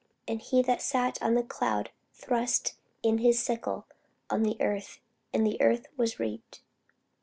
And he that sat on the cloud thrust in his sickle on the earth; and the earth was reaped.